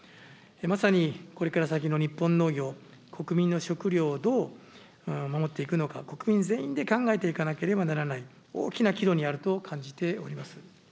まさにこれから先の日本農業、国民の食料をどう守っていくのか、国民全員で考えていかなければならない、大きな岐路にあると感じております。